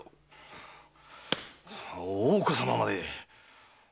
大岡様まで！